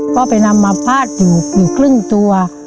ก็ไปนำมาพาดอยู่ครึ่งตัว